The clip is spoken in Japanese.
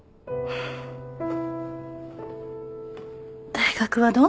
大学はどう？